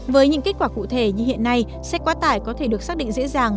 với những kết quả cụ thể như hiện nay xe quá tải có thể được xác định dễ dàng